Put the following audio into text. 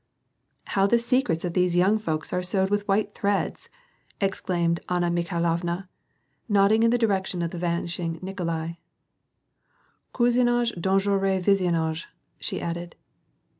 " How the secrets of these young folks are sewed with white threads !" exclaimed Anna Mikhailovna, nodding in the direction of the vanishing Nikolai, " Cotcsinage dangeretix voisinage !" she added.